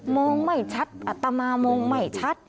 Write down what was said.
มองไม่ชัดอัตมามองไม่ชัด